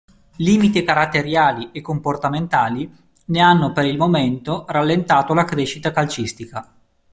Limiti caratteriali e comportamentali ne hanno per il momento rallentato la crescita calcistica.